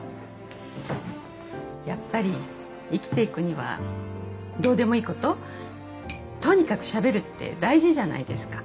やっぱり生きていくにはどうでもいいこととにかくしゃべるって大事じゃないですか